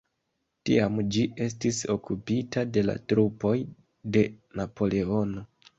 Tiam ĝi estis okupita de la trupoj de Napoleono.